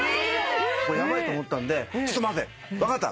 ヤバいと思ったんでちょっと待て分かった。